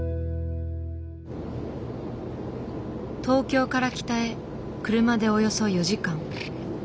東京から北へ車でおよそ４時間。